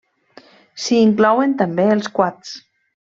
S'hi inclouen també els quads.